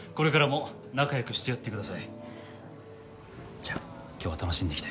じゃあ今日は楽しんできて。